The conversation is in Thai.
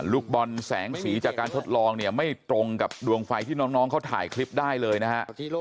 ลูกบอลแสงสีจากการทดลองเนี่ยไม่ตรงกับดวงไฟที่น้องเขาถ่ายคลิปได้เลยนะฮะ